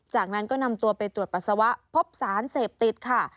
จากนั้นก็นำตัวไปตรวจปัสสาวะพบสารเสพติดค่ะ